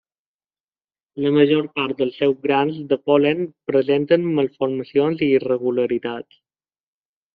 La major part dels seus grans de pol·len presenten malformacions i irregularitats.